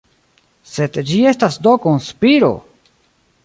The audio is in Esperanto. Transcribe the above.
Sed ĝi estas do konspiro!